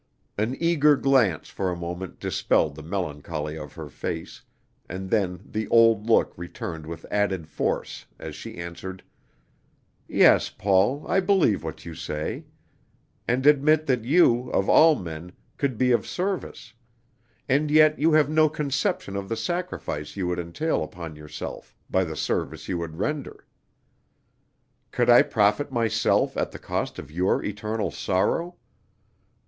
An eager glance for a moment dispelled the melancholy of her face, and then the old look returned with added force, as she answered: "Yes, Paul, I believe what you say, and admit that you, of all men, could be of service; and yet you have no conception of the sacrifice you would entail upon yourself by the service you would render. Could I profit myself at the cost of your eternal sorrow?